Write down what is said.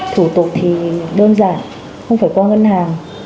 thủ tục thì đơn giản không phải qua ngân hàng